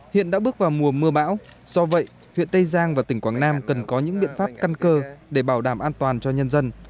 hiện đã bước vào mùa mưa bão do vậy huyện tây giang và tỉnh quảng nam cần có những biện pháp căn cơ để bảo đảm an toàn cho nhân dân